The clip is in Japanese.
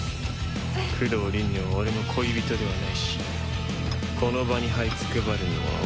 九堂りんねは俺の恋人ではないしこの場にはいつくばるのは俺じゃない。